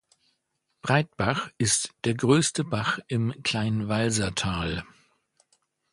Die Breitach ist der größte Bach im Kleinwalsertal.